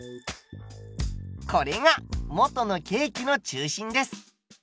これが元のケーキの中心です。